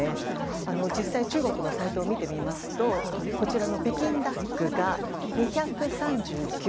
実際、中国のサイトを見るとこちらの北京ダックが２３９。